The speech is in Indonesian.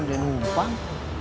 ke kiri bang